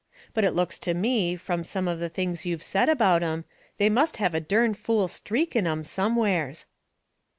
But it looks to me, from some of the things you've said about 'em, they must have a dern fool streak in 'em somewheres."